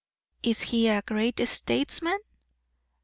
"Is he a great statesman?"